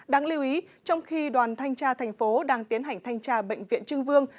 đáng lưu ý trong khi đoàn thanh tra tp hcm đang tiến hành thanh tra bệnh viện trưng vương